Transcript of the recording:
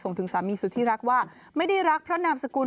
ถึงสามีสุดที่รักว่าไม่ได้รักพระนามสกุล